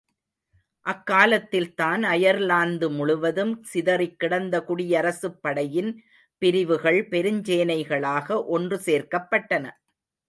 அக்காலத்தில்தான் Ireland முழுவதும் சிதறிக்கிடந்த குடியரசுப் படையின் பிரிவுகள் பெருஞ்சேனைகளாக ஒன்று சேர்க்கப்பட்டன.